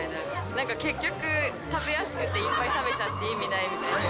なんか結局、食べやすくて、いっぱい食べちゃって意味ないみたいな。